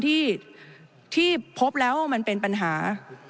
ที่พบแล้วมันเป็นปัญหา